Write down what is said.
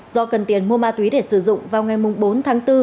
do cần tiền mua ma túy để sử dụng vào ngày bốn tháng bốn